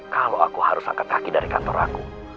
kalau aku harus angkat kaki dari kantor aku